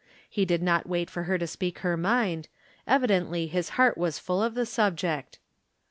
He did not wait for her to speak her mind ; evidently his heart was full of the subject.